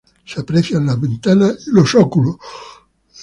Se aprecian las ventanas y los óculos.